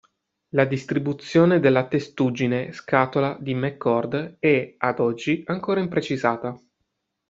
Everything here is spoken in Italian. La distribuzione della testuggine scatola di McCord è, ad oggi, ancora imprecisata.